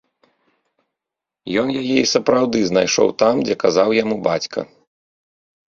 Ён яе і сапраўды знайшоў, там, дзе казаў яму бацька.